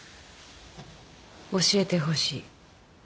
教えてほしい。